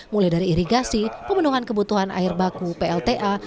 mulai dari irigasi pemenuhan kebutuhan air baku plta